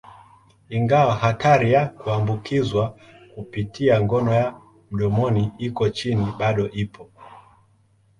Ingawa hatari ya kuambukizwa kupitia ngono ya mdomoni iko chini, bado ipo.